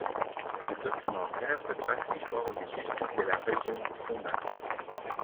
Ce documentaire retrace l'histoire de Justes de la région Rhône-Alpes.